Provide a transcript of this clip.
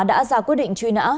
đã ra quyết định truy nã